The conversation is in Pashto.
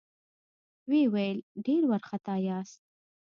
ويې ويل: ډېر وارخطا ياست؟